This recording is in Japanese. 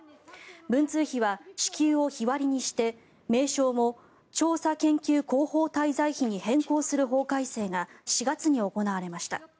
文通費は支給を日割りにして名称も調査研究広報滞在費に変更する法改正が４月に行われました。